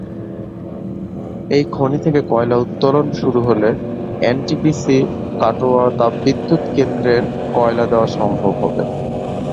এই খনি থেকে কয়লা উত্তোলন শুরু হলে এনটিপিসি-কাটোয়া তাপবিদ্যুৎ কেন্দ্রের কয়লা দেওয়া সম্ভব হবে।